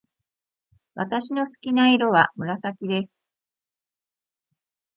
私の好きな色は紫です。